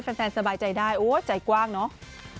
แฟนสบายใจได้โอ้ใจกว้างเนาะ